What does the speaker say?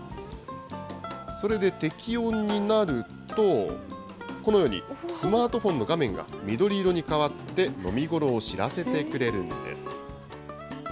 それで適温になると、このように、スマートフォンの画面が緑色に変わって、飲み頃を知らせてくれるんです。